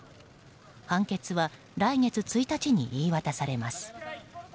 判決は、来月１日に言い渡されます。